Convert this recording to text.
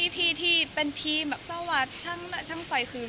พี่ที่เป็นทีมเช่าวัดช่างไฟคืน